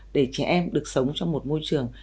để trẻ em được sống trong một môi trường